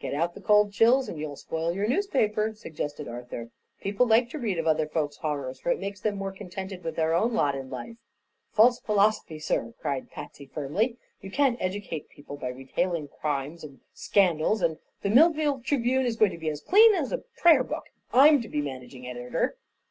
"Cut out the cold chills and you'll spoil your newspaper," suggested Arthur. "People like to read of other folks' horrors, for it makes them more contented with their own lot in life." "False philosophy, sir!" cried Fatsy firmly. "You can't educate people by retailing crimes and scandals, and the Millville Tribune is going to be as clean as a prayer book, if I'm to be managing editor."